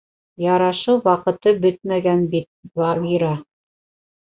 — Ярашыу ваҡыты бөтмәгән бит, Багира.